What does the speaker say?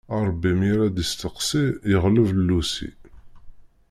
Ṛebbi mi ara d isteqsi, yeɣleb llusi.